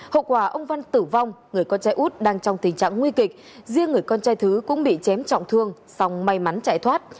hậu quả ông văn tử vong người con trai út đang trong tình trạng nguy kịch riêng người con trai thứ cũng bị chém trọng thương song may mắn chạy thoát